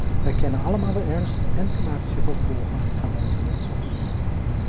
Wij kennen allemaal de ernst en de dramatische gevolgen van deze letsels.